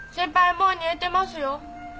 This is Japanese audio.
もう煮えてますよ。